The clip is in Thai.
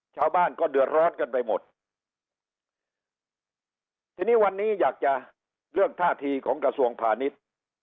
ชาวบ้านก็เดือดร้อนกันไปหมดทีนี้วันนี้อยากจะเรื่องท่าทีของกระทรวงพาณิชย์